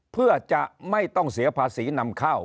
เพื่อจะไม่ต้องเสียภาษีนำเข้า